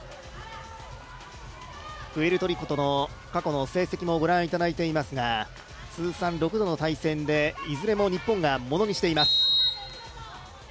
プエルトリコとの過去の成績もご覧いただいていますが通算６度の対戦で、いずれも日本がものにしています。